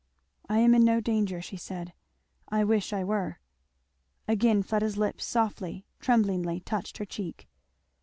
"I am in no danger," she said, "I wish I were!" Again Fleda's lips softly, tremblingly, touched her cheek.